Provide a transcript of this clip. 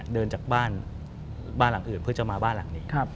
เดินจากบ้านบ้านหลังอื่นเพื่อจะมาบ้านหลังนี้